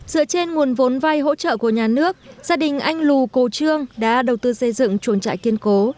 dựa trên nguồn vốn vay hỗ trợ của nhà nước gia đình anh lù cô trương đã đầu tư xây dựng chuồng trại kiên cố